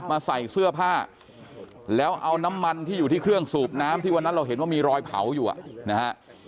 ใส่เสื้อผ้าแล้วเอาน้ำมันที่อยู่ที่เครื่องสูบน้ำที่วันนั้นเราเห็นว่ามีรอยเผาอยู่อ่ะนะฮะ